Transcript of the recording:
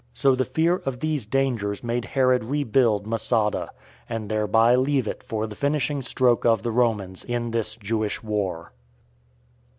So the fear of these dangers made Herod rebuild Masada, and thereby leave it for the finishing stroke of the Romans in this Jewish war.